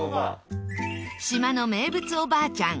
島の名物おばあちゃんえ